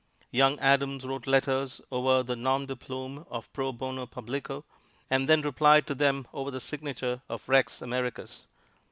Young Adams wrote letters over the "nom de plume" of Pro Bono Publico, and then replied to them over the signature of Rex Americus.